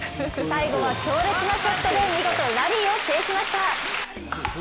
最後は強烈なショットで見事ラリーを制しました。